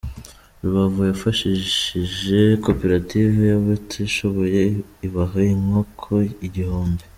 Rubavu yafashishije koperative y’abatishoboye ibaha inkoko igihumbi